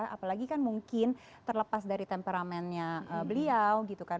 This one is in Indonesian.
apalagi kan mungkin terlepas dari temperamennya beliau gitu kan